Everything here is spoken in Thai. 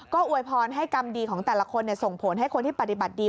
ก็อวยพรให้กรรมดีของแต่ละคนส่งผลให้คนที่ปฏิบัติดี